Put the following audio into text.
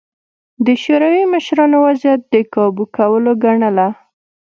د شوروي مشرانو وضعیت د کابو کولو ګڼله